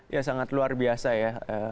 ya sangat luar biasa ya